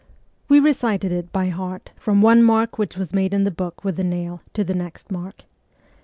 We recited it ' by heart ' from one mark which was made in the book with the nail to the next mark.